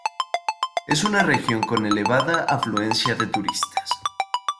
Es una región con una elevada afluencia de turistas.